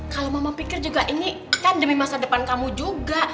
kalau mama pikir juga ini kan demi masa depan kamu juga